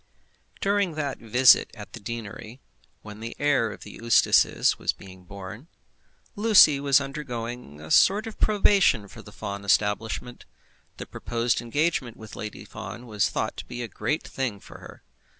During that visit at the deanery, when the heir of the Eustaces was being born, Lucy was undergoing a sort of probation for the Fawn establishment. The proposed engagement with Lady Fawn was thought to be a great thing for her.